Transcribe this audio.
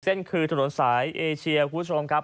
นี่คือถนนสายเอเชียคุณผู้ชมครับ